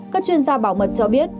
các chuyên gia bảo mật cho biết